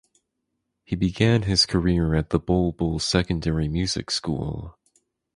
He began his career at the Bulbul Secondary Music School.